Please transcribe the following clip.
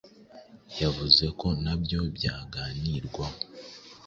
yavuze ko nabyo byaganirwaho